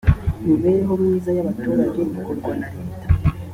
imibereho myiza y abaturageikorwa na leta